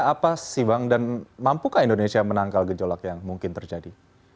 apa sih bang dan mampukah indonesia menangkal gejolak yang mungkin terjadi